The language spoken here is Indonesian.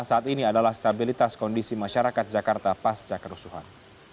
saat ini adalah stabilitas kondisi masyarakat jakarta pas jakar usuhan